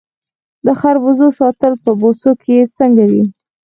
د خربوزو ساتل په بوسو کې څنګه وي؟